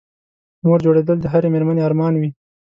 مور جوړېدل د هرې مېرمنې ارمان وي